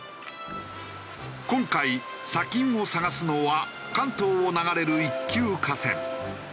今回砂金を探すのは関東を流れる一級河川。